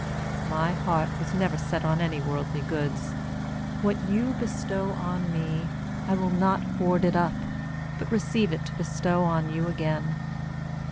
My heart was never set on any worldly goods. What you bestow on me, I will not hoard it up, but receive it to bestow on you again.